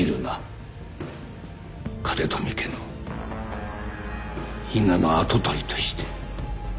風富家の伊賀の跡取りとして